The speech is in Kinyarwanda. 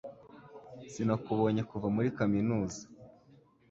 Sinakubonye kuva muri kaminuza